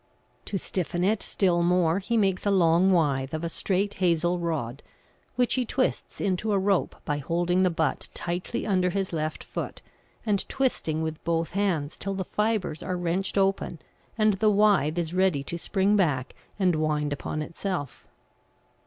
To stiffen it still more he makes a long withe of a straight hazel rod, which he twists into a rope by holding the butt tightly under his left foot and twisting with both hands till the fibres are wrenched open and the withe is ready to spring back and wind upon itself.